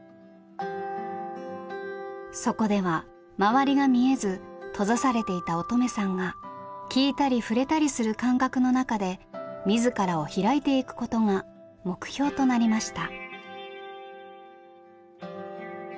そこでは周りが見えず閉ざされていた音十愛さんが聞いたり触れたりする感覚の中で自らを開いていくことが目標となりました。